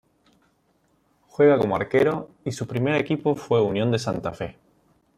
Juega como arquero y su primer equipo fue Unión de Santa Fe.